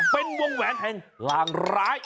เป็นวงแหวนแห่งลางร้าย